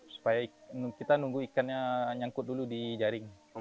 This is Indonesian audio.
supaya kita nunggu ikannya nyangkut dulu di jaring